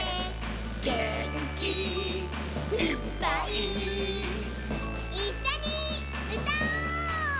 「げんきいっぱい」「いっしょにうたおう！」